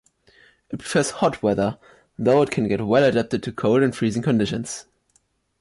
It prefers hot weather, though it can get well adapted to cold and freezing conditions.